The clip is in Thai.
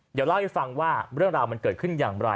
เดี๋ยวเล่าให้ฟังว่าเรื่องราวมันเกิดขึ้นอย่างไร